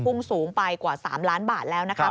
พุ่งสูงไปกว่า๓ล้านบาทแล้วนะครับ